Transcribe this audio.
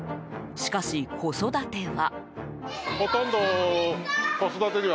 しかし、子育ては。